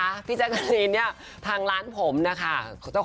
มันจะเดี๋ยวนัดเกลียร์ให้นะคะมันจะเดี๋ยวนัดเกลียร์ให้นะคะ